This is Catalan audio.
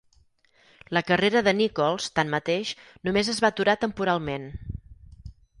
La carrera de Nicholls, tanmateix, només es va aturar temporalment.